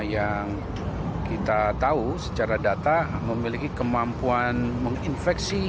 yang kita tahu secara data memiliki kemampuan menginfeksi